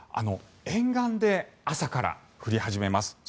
沿岸で朝から降り始めます。